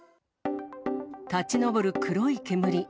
立ち上る黒い煙。